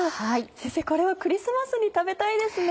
先生これはクリスマスに食べたいですね。